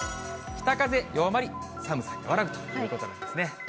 北風弱まり、寒さ和らぐということなんですね。